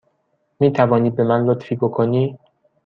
می توانی به من لطفی بکنی؟